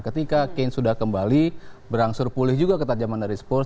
ketika kane sudah kembali berangsur pulih juga ketajaman dari spurs